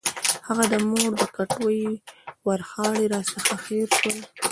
هغه د مور د کټوۍ ورخاړي راڅخه هېر شول.